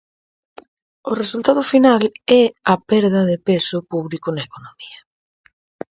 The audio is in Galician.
O resultado final é a perda de peso público na economía.